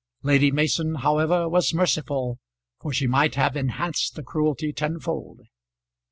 Lady Mason, however, was merciful, for she might have enhanced the cruelty tenfold.